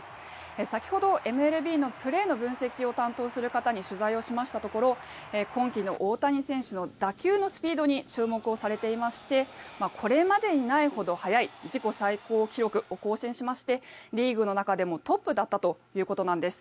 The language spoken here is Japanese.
先ほど、ＭＬＢのプレーの分析を担当する方に取材をしましたところ今季の大谷選手の打球のスピードに注目されていましてこれまでにないほど速い自己最高記録を更新しましてリーグの中でもトップだったということなんです。